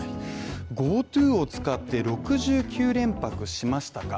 ＧｏＴｏを使って６９連泊しましたか？